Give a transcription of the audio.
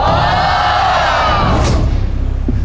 โอ้โห